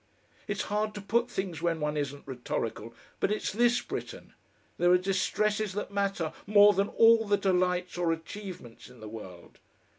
It's hard to put things when one isn't rhetorical, but it's this, Britten there are distresses that matter more than all the delights or achievements in the world....